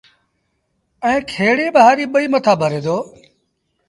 ائيٚݩ کيڙيٚ با هآريٚ ٻئيٚ مٿآ ڀري دو